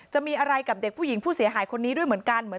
จะมีอะไรกับเด็กผู้หญิงผู้เสียหายคนนี้ด้วยเหมือนกัน